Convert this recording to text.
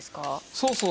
そうそう。